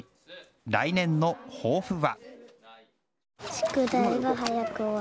来年の抱負は？